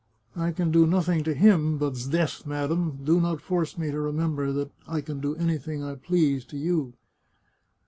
I can do nothing to him, but s'death, madam, do not force me to remember that I can do anything I please to you